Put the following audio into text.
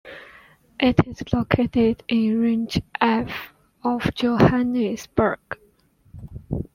It is located in Region F of Johannesburg.